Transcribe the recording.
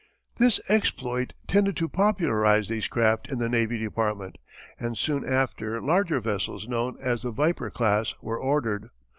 This exploit tended to popularize these craft in the Navy Department, and soon after larger vessels known as the "Viper" class were ordered.